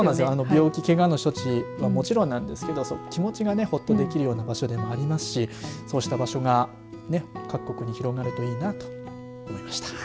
病気けがのときもちろんですが気持ちが、ほっとできるような場所でもありますしそうした場所が各国に広がるといいなと思いました。